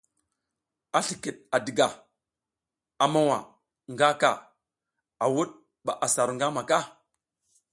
A slikid a diga, a mowa nga ka, a wud ba asa ru ngamaka.